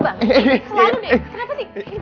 dibeliin tau nggak